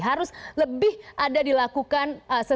harus lebih ada dilakukan